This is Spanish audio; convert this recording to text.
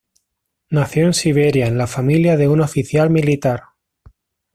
Nació en Siberia en la familia de un oficial militar.